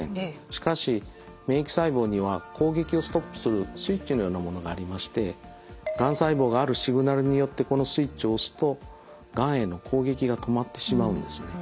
しかし免疫細胞には攻撃をストップするスイッチのようなものがありましてがん細胞があるシグナルによってこのスイッチを押すとがんへの攻撃が止まってしまうんですね。